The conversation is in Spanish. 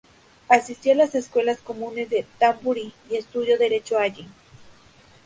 Asistió a las escuelas comunes en Danbury, y estudió derecho allí.